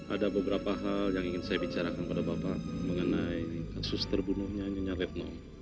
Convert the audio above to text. ada beberapa hal yang ingin saya bicarakan pada bapak mengenai kasus terbunuhnya nyonya retno